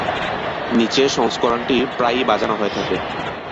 নিচে সংস্করণটি প্রায়ই বাজানো হয়ে থাকে।